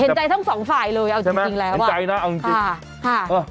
เห็นใจทั้งสองฝ่ายเลยเอาจริงแล้วว่ะเห็นใจนะเอา